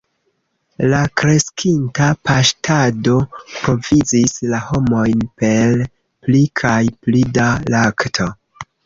La kreskinta paŝtado provizis la homojn per pli kaj pli da lakto.